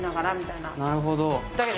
なるほど。